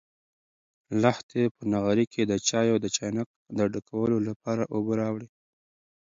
لښتې په نغري کې د چایو د چاینک د ډکولو لپاره اوبه راوړې.